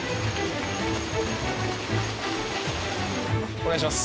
お願いします。